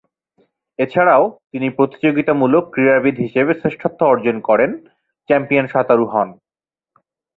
এছাড়াও তিনি প্রতিযোগিতামূলক ক্রীড়াবিদ হিসেবে শ্রেষ্ঠত্ব অর্জন করেন, চ্যাম্পিয়ন সাঁতারু হন।